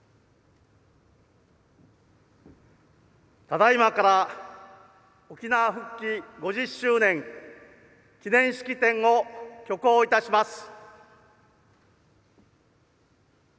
ただいまから「沖縄復帰５０周年記念式典」を挙行いたします。